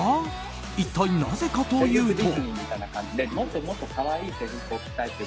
一体なぜかというと。